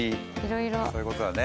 そういう事だね。